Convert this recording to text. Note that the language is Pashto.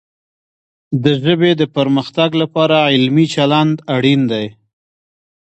د ژبې د پرمختګ لپاره علمي چلند اړین دی.